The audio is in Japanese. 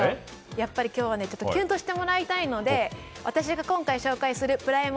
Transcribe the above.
やっぱり今日はキュンとしてもらいたいので私が今回、紹介するプライム